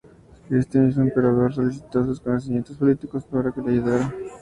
Este mismo emperador solicitó sus conocimientos políticos para que le ayudara.